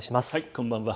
こんばんは。